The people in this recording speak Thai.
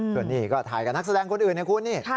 ตรงนี้ก็ถ่ายกับนักแสดงคนอื่นในคู่นี้